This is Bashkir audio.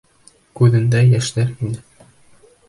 Күҙендә йәштәр ине.